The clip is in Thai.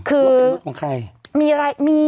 อืมรถเป็นรถของใคร